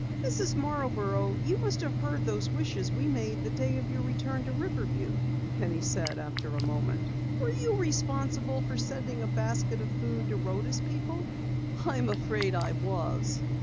"Mrs. Marborough, you must have heard those wishes we made the day of your return to Riverview," Penny said after a moment. "Were you responsible for sending a basket of food to Rhoda's people?" "I am afraid I was."